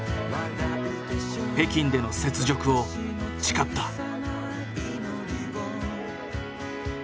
北京での雪辱を誓った。